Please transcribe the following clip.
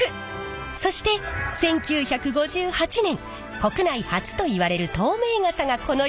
そして１９５８年国内初といわれる透明傘がこの世に誕生しました！